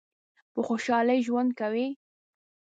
په خوشحالی ژوند کوی؟